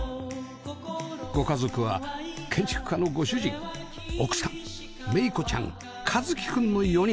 ご家族は建築家のご主人奥さんめいこちゃん一樹くんの４人